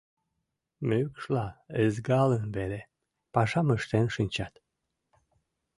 Мӱкшла ызгалын веле, пашам ыштен шинчат…